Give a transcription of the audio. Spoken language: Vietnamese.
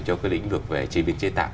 cho cái lĩnh vực về chế biến chế tạo